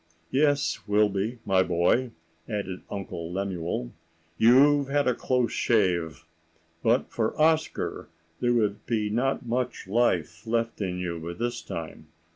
"Yes, Wilby, my boy," added Uncle Lemuel, "you've had a close shave. But for Oscar there would not be much life left in you by this time."